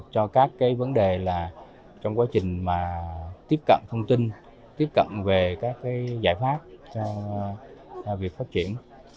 cho các vấn đề trong quá trình tiếp cận thông tin tiếp cận về các giải pháp cho việc phát triển